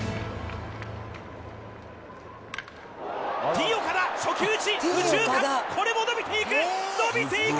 Ｔー岡田、初球打ち、右中間、これも伸びていく、伸びていく！